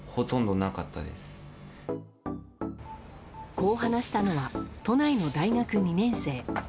こう話したのは都内の大学２年生。